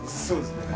そうです。